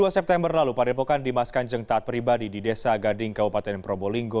dua september lalu padepokan dimas kanjeng taat pribadi di desa gading kabupaten probolinggo